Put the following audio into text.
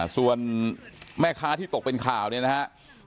ส่วนแม่ค้าที่ตกเป็นข่าวเนี่ยนะครับ